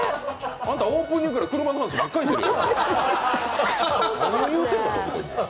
あんた、オープニングから車の話ばっかしてるよ。